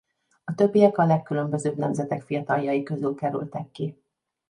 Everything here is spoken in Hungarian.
A többiek a legkülönbözőbb nemzetek fiataljai közül kerültek ki.